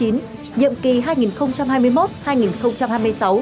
nhiệm kỳ hai nghìn hai mươi một hai nghìn hai mươi sáu